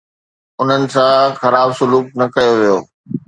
انهن سان خراب سلوڪ نه ڪيو ويو.